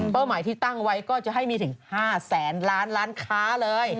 หมายที่ตั้งไว้ก็จะให้มีถึง๕แสนล้านร้านค้าเลย